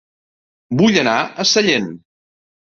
Vull anar a Sallent